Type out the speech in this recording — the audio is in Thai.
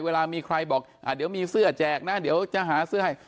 เวลามีใครบอกเดี๋ยวมีเสื้อแจกนะเดี๋ยวจะหาเสื้อให้